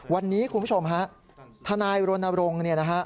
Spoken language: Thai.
วันนี้คุณผู้ชมฮะทนายโรนโรง